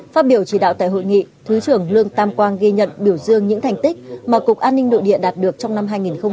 phát biểu chỉ đạo tại hội nghị thứ trưởng lương tam quang ghi nhận biểu dương những thành tích mà cục an ninh nội địa đạt được trong năm hai nghìn hai mươi ba